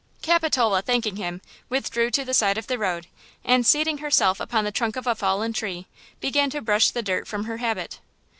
Capitola, thanking him, withdrew to the side of the road, and, seating herself upon the trunk of a fallen tree, began to brush the dirt from her habit.